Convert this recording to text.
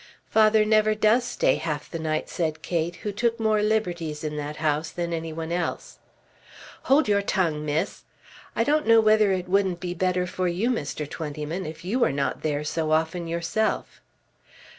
"Father never does stay half the night," said Kate, who took more liberties in that house than any one else. "Hold your tongue, miss. I don't know whether it wouldn't be better for you, Mr. Twentyman, if you were not there so often yourself."